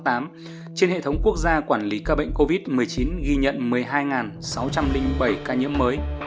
trên hệ thống quốc gia quản lý ca bệnh covid một mươi chín ghi nhận một mươi hai sáu trăm linh bảy ca nhiễm mới